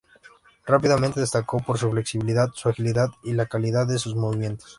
Rápidamente destacó por su flexibilidad, su agilidad y la calidad de sus movimientos.